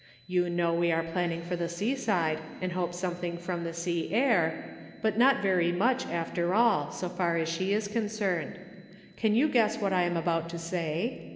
You know we are planning for the seaside, and hope something from the sea air ; but not very much, after all, so far as she is concerned. Can you guess what I am about to say?